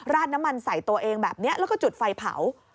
ดน้ำมันใส่ตัวเองแบบนี้แล้วก็จุดไฟเผา